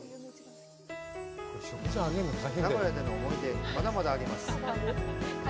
名古屋での思い出、まだまだあります。